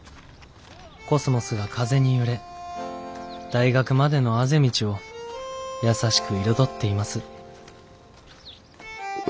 コスモスが風に揺れ大学までのあぜ道を優しく彩っています」。